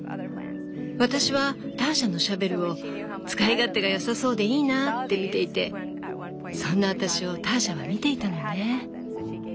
私はターシャのシャベルを「使い勝手がよさそうでいいなぁ」って見ていてそんな私をターシャは見ていたのね。